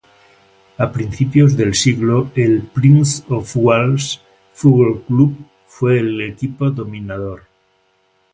A principios del siglo el Prince of Wales F. C. fue el equipo dominador.